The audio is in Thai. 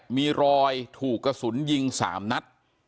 มีรอยถูกกระสุนยิง๓นัด